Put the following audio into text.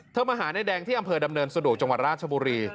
มาหานายแดงที่อำเภอดำเนินสะดวกจังหวัดราชบุรี